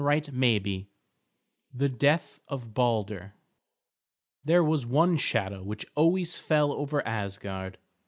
CHAPTER XV THE DEATH OF BALDER There was one shadow which always fell over Asgard.